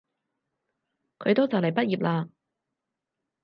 佢都就嚟畢業喇